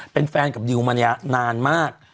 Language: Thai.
เป็นแฟนกับดิวมาเนี่ยนานมาก